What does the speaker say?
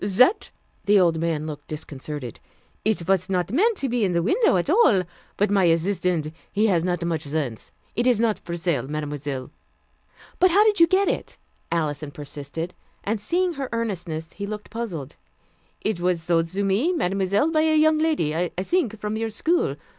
"That?" The old man looked disconcerted. "It was not meant to be in the window at all; but my assistant, he has not much sense. It is not for sale, Mademoiselle." "But how did you get it?" Alison persisted, and seeing her earnestness he looked puzzled. "It was sold to me, Mademoiselle, by a young lady, I think from your school.